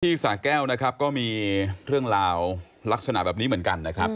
สาแก้วนะครับก็มีเรื่องราวลักษณะแบบนี้เหมือนกันนะครับ